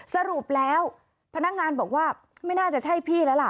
สรุปแล้วพนักงานบอกว่าไม่น่าจะใช่พี่แล้วล่ะ